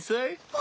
あ。